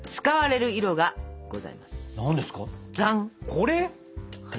これ？